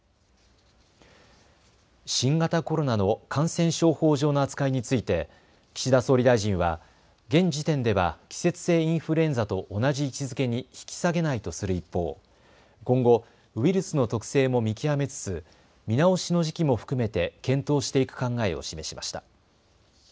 新型コロナの感染症法上の扱いについて岸田総理大臣は現時点では季節性インフルエンザと同じ位置づけに引き下げないとする一方、今後、ウイルスの特性も見極めつつ見直しの時期も含めて検討していく考えを示しました。